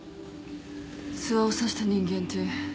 諏訪を刺した人間って。